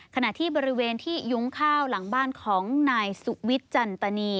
ขณะที่บริเวณที่ยุ้งข้าวหลังบ้านของนายสุวิทย์จันตนี